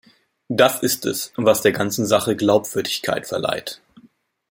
Das ist es, was der ganzen Sache Glaubwürdigkeit verleiht.